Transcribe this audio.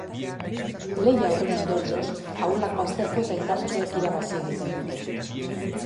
Lehia horren ondorioz ahulak baztertu eta indartsuek irabazi egiten dute.